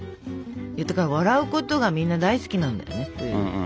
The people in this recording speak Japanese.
笑うことがみんな大好きなんだよね。